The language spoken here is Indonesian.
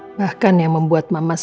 nggak kurang suatu apapun